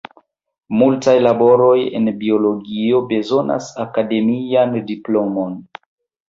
Multaj laboroj en biologio bezonas akademian diplomon.